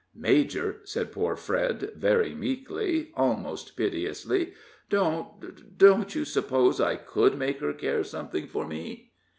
"Major," said poor Fred, very meekly, almost piteously, "don't don't you suppose I could make her care something for me?"